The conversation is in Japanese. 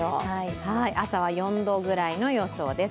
朝は４度くらいの予想です。